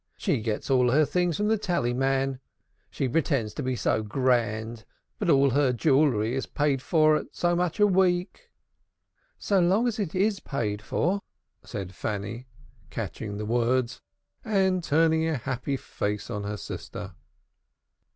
"She gets all her things from the tallyman. She pretends to be so grand, but all her jewelry is paid for at so much a week." "So long as it is paid for," said Fanny, catching the words and turning a happy face on her sister.